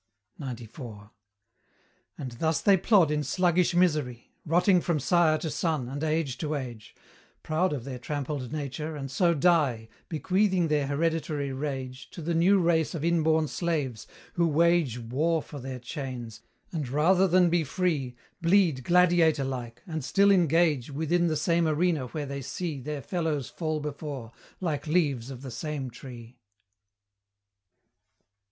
XCIV. And thus they plod in sluggish misery, Rotting from sire to son, and age to age, Proud of their trampled nature, and so die, Bequeathing their hereditary rage To the new race of inborn slaves, who wage War for their chains, and rather than be free, Bleed gladiator like, and still engage Within the same arena where they see Their fellows fall before, like leaves of the same tree.